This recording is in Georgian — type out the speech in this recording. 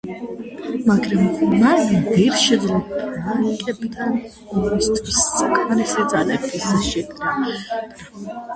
მაგრამ მან ვერ შეძლო ფრანკებთან ომისთვის საკმარისი ძალების შეკრება.